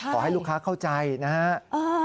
ขอให้ลูกค้าเข้าใจนะครับ